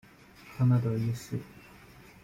康拉德一世。